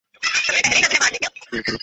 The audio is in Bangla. আর আমি প্রথম থেকেই ভাষণ লিখে রেখেছি।